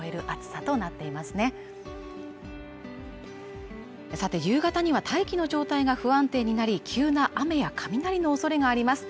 さて夕方には大気の状態が不安定になり急な雨や雷の恐れがあります